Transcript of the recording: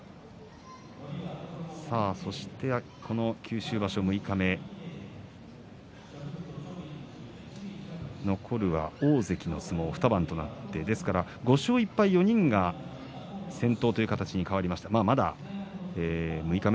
九州場所の六日目残るは大関の相撲２番となって５勝１敗の４人が先頭という形になりました。